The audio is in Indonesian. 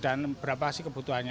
dan berapa sih kebutuhannya